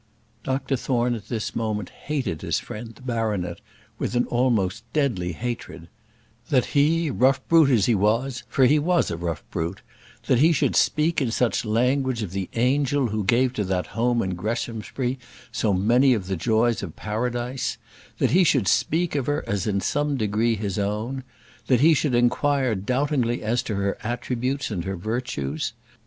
Dr Thorne at this moment hated his friend the baronet with almost a deadly hatred; that he, rough brute as he was for he was a rough brute that he should speak in such language of the angel who gave to that home in Greshamsbury so many of the joys of Paradise that he should speak of her as in some degree his own, that he should inquire doubtingly as to her attributes and her virtues.